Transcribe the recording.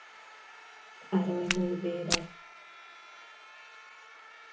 Károly nővére.